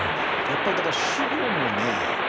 やっぱりだから死後もね